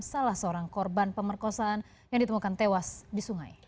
salah seorang korban pemerkosaan yang ditemukan tewas di sungai